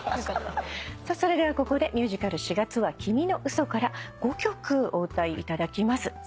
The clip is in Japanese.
それではここでミュージカル『四月は君の嘘』から５曲お歌いいただきます。